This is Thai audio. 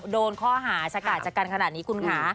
โดนข้อหาชะกาดชะกันขนาดนี้คุณคะ